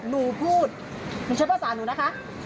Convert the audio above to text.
หนูพูดหนูใช้ภาษาหนูนะคะ